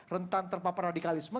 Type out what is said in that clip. rentan terpapar radikalisme